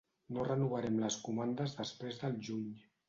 No renovarem les comandes després del juny.